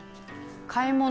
買い物。